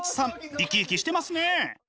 生き生きしてますね！